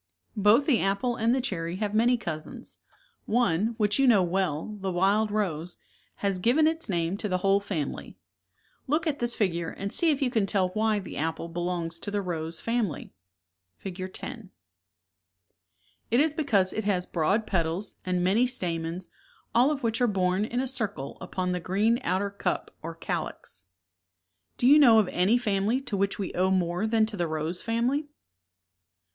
Both the apple and the cherry have many cous ins; one, which you know well, the wild rose, has given its name to the whole fam ily. Look at this figure and see if you can tell why the apple belongs to the rose family (Fig. lo). It is because it has broad pet als, and many stamens, all of which are borne in a circle upon the green outer cup or calyx. '°^"'''^'"■^' Do you know of any family to which we owe more than to the rose family?